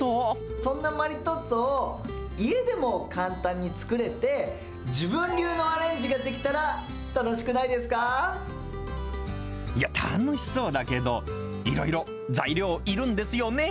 そんなマリトッツォを家でも簡単に作れて、自分流のアレンジいや、楽しそうだけど、いろいろ材料いるんですよね？